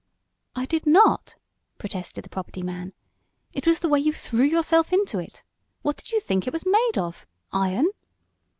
"I did not!" protested the property man. "It was the way you threw yourself into it. What did you think it was made of iron?"